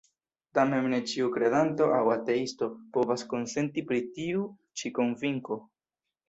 Tamen ne ĉiu kredanto aŭ ateisto povas konsenti pri tiu ĉi konvinko.